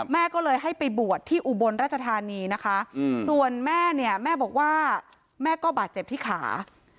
แม่ก็เลยให้ไปบวชที่อุบลราชธานีนะคะส่วนแม่เนี่ยแม่บอกว่าแม่ก็บาดเจ็บที่ขา